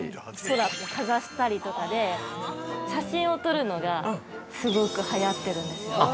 ◆空にかざしたりとかで写真を撮るのがすごくはやってるんですよね。